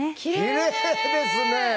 きれいですね！